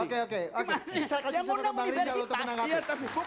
yang undang universitas